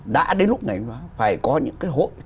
đã đến lúc phải có những cái hội